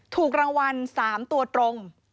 ถูกรางวัล๓ตัวตรง